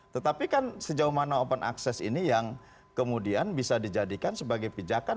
tetapi kan sejauh mana open access ini yang kemudian bisa dijadikan sebagai pijakan